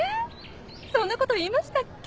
そんなこと言いましたっけ？